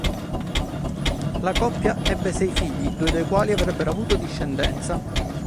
La coppia ebbe sei figli, due dei quali avrebbero avuto discendenza.